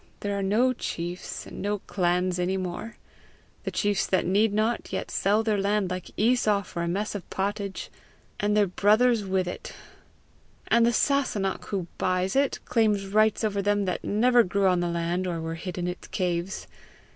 There are no chiefs, and no clans any more! The chiefs that need not, yet sell their land like Esau for a mess of pottage and their brothers with it! And the Sasunnach who buys it, claims rights over them that never grew on the land or were hid in its caves!